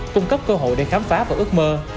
cung cấp cơ hội để khám phá và ước mơ